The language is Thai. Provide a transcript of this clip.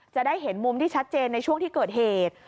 จะได้เห็นมุมที่ชัดเจนในช่วงที่เกิดเหตุ